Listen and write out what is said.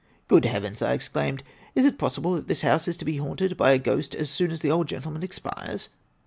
"Good heavens!" I exclaimed. "Is it possible that this house is to be haunted by a ghost as soon as the old gentleman expires?